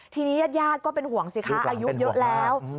ทีนี้ญาติก็เป็นห่วงสิคะอายุเยอะแล้ว